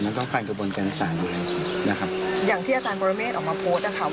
มันต้องผ่านกระบวนการสั่งเลยนะครับอย่างที่อาจารย์บริเมฆออกมาโพสต์นะครับ